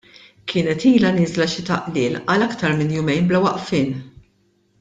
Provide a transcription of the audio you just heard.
Kienet ilha nieżla xita qliel għal aktar minn jumejn bla waqfien.